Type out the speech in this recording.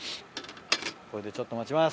これでちょっと待ちます。